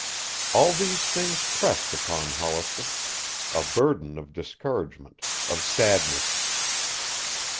All these things pressed upon Hollister; a burden of discouragement, of sadness.